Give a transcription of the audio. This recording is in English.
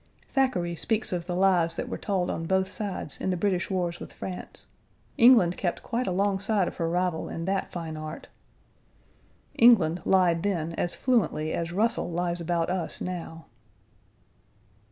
" Thackeray speaks of the lies that were told on both sides in the British wars with France; England kept quite alongside of her rival in that fine art. England lied then as fluently as Russell lies about us now.